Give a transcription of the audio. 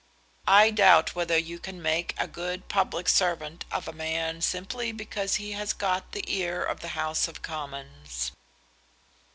I doubt whether you can make a good public servant of a man simply because he has got the ear of the House of Commons."